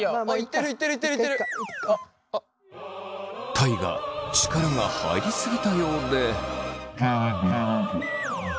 大我力が入り過ぎたようで。